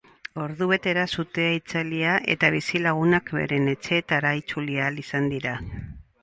Ordubetera sutea itzalia eta bizilagunak beren etxeetara itzuli ahal izan dira.